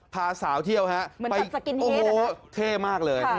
พาสาวเที่ยวฮะไปโอ้โหเท่มากเลย